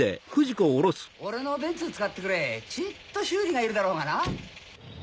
俺のベンツ使ってくれちっと修理がいるだろうがな。